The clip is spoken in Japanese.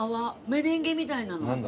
メレンゲみたいなの。